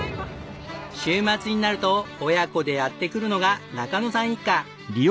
週末になると親子でやって来るのが中野さん一家。